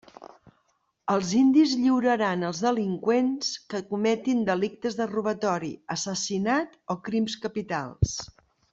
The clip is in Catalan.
Els indis lliuraran els delinqüents que cometin delictes de robatori, assassinat, o crims capitals.